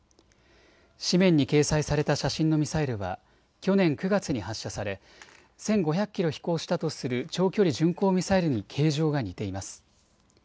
紙面に掲載された写真のミサイルは去年９月に発射され、１５００キロ飛行したとする長距離巡航ミサイルに形状が似ています。